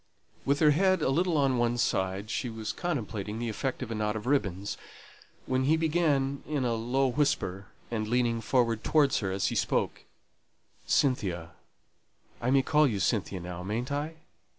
With her head a little on one side, she was contemplating the effect of a knot of ribbons, when he began, in a low whisper, and leaning forward towards her as he spoke, "Cynthia I may call you Cynthia now, mayn't I?